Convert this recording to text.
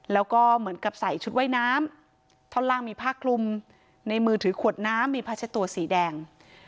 แล้วก็เหมือนกับใส่ชุดว่ายน้ำท่อนล่างมีผ้าคลุมในมือถือขวดน้ำมีผ้าเช็ดตัวสีแดง